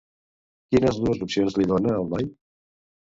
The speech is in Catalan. Quines dues opcions li dona, el noi?